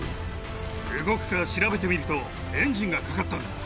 動くか調べてみると、エンジンがかかったんだ。